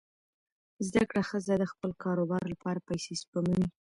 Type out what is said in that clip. زده کړه ښځه د خپل کاروبار لپاره پیسې سپموي.